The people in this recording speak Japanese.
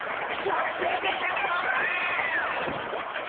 わすれていたでゴンス！